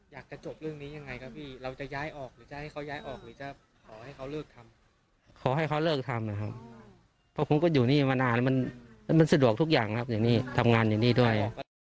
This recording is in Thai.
อยากจะจบเรื่องนี้ยังไงครับพี่เราจะย้ายออกหรือจะให้เค้าย้ายออก